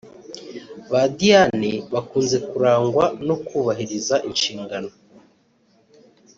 Ba Diane bakunze kurangwa no kubahiriza inshingano